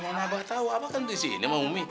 mana abah tahu apa kan di sini sama ummi